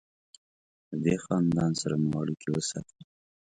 له دې خاندان سره مو اړیکې وساتلې.